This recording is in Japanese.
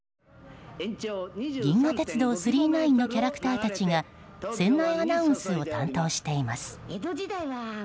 「銀河鉄道９９９」のキャラクターたちが船内アナウンスを担当しています。